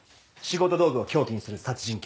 仕事道具を凶器にする殺人鬼は多い。